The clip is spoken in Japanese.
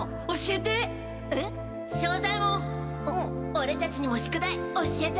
オレたちにも宿題教えて！